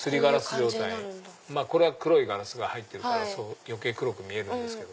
これは黒いガラスが入ってるから余計黒く見えるんですけど。